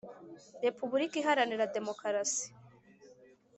Repubulika iharanira demokarasi